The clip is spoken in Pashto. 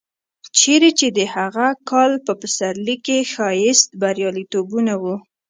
چېرې چې د هغه کال په پسرلي کې ښایسته بریالیتوبونه و.